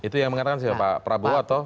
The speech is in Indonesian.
itu yang mengatakan pak prabowo atau